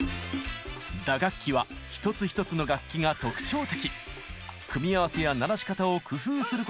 打楽器は一つ一つの楽器が特徴的！